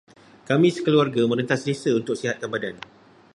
Kami sekeluarga merentas desa untuk sihatkan badan.